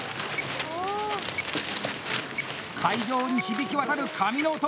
会場に響き渡る紙の音！